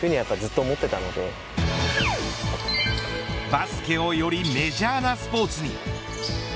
バスケをよりメジャーなスポーツに。